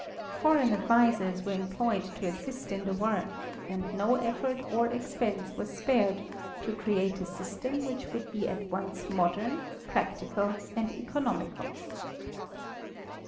Foreign advisers were employed to assist in the work, and no effort or expense was spared to create a system which would be at once modern, practical and economical.